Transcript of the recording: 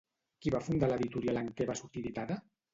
Qui va fundar l'editorial en què va sortir editada?